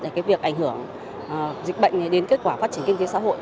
để cái việc ảnh hưởng dịch bệnh đến kết quả phát triển kinh tế xã hội